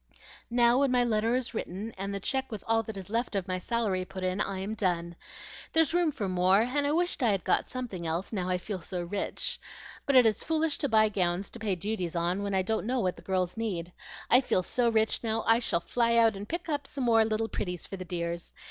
"Now, when my letter is written and the check with all that is left of my salary put in, I am done. There's room for more, and I wish I'd got something else, now I feel so rich. But it is foolish to buy gowns to pay duties on, when I don't know what the girls need. I feel so rich now, I shall fly out and pick up some more little pretties for the dears.